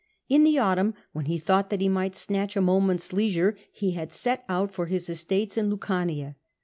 In the autumn, when he thought that he might snatch a moment's leisure, he had set out for his estates in Lucania.